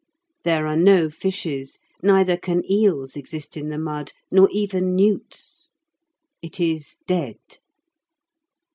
There are no fishes, neither can eels exist in the mud, nor even newts. It is dead.